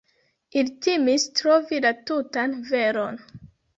Ili timis trovi la tutan veron.